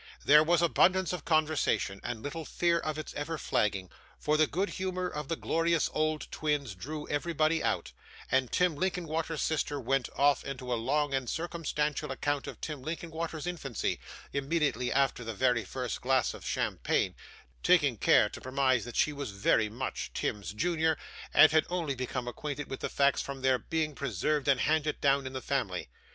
There was abundance of conversation, and little fear of its ever flagging, for the good humour of the glorious old twins drew everybody out, and Tim Linkinwater's sister went off into a long and circumstantial account of Tim Linkinwater's infancy, immediately after the very first glass of champagne taking care to premise that she was very much Tim's junior, and had only become acquainted with the facts from their being preserved and handed down in the family.